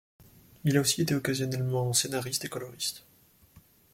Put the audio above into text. Il a aussi été occasionnellement scénariste et coloriste.